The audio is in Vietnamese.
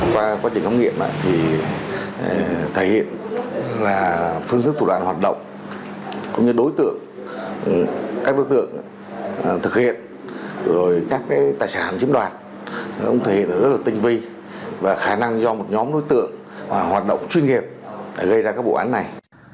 qua quá trình khám nghiệm thể hiện là phương thức tụ đoàn hoạt động cũng như đối tượng các đối tượng thực hiện rồi các tài sản chiếm đoàn cũng thể hiện là rất là tinh vi và khả năng do một nhóm đối tượng hoạt động chuyên nghiệp gây ra các bộ án này